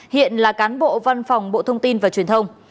hiện là cán bộ văn phòng bộ thông tin và truyền thông